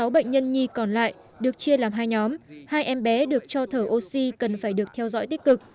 sáu bệnh nhân nhi còn lại được chia làm hai nhóm hai em bé được cho thở oxy cần phải được theo dõi tích cực